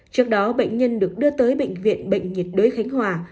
trước đó bệnh nhân được đưa tới bệnh viện bệnh nhiệt đới khánh hòa